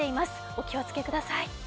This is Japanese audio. お気をつけください。